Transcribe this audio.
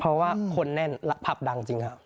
เพราะว่าคนแน่นผับดังจริงครับ